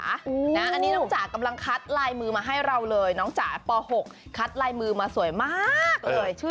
อันนี้น้องจ๋ากำลังคัดลายมือมาให้เราเลยน้องจ๋าป๖คัดลายมือมาสวยมากเลย